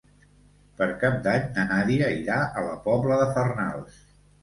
Per Cap d'Any na Nàdia irà a la Pobla de Farnals.